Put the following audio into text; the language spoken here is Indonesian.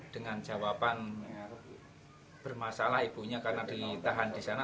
dengan jawaban bermasalah ibunya karena ditahan di sana